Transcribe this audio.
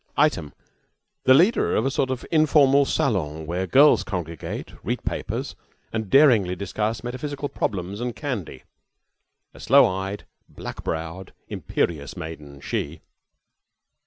Item, the leader of a sort of informal salon where girls congregate, read papers, and daringly discuss metaphysical problems and candy a sloe eyed, black browed, imperious maiden she.